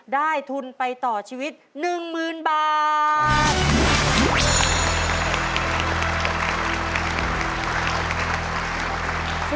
ได้ทุนไปต่อชีวิต๑หมื่นบาท